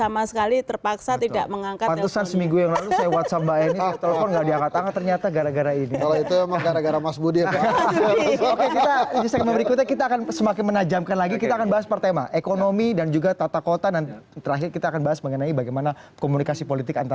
maksudnya mereka harus mengerti